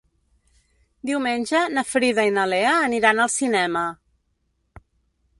Diumenge na Frida i na Lea aniran al cinema.